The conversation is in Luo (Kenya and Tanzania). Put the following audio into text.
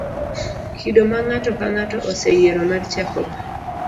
kido ma ng'ato ka ng'ato oseyiero mar chakogo.